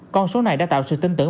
con số này đã tạo sự tin tưởng